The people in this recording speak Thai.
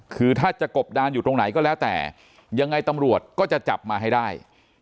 คือถ้าจะกบดานอยู่ตรงไหนก็แล้วแต่ยังไงตำรวจก็จะจับมาให้ได้